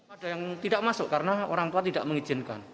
ada yang tidak masuk karena orang tua tidak mengizinkan